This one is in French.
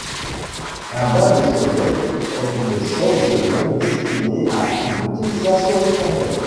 Un bain de soleil est une chaise longue destinée à une utilisation extérieure.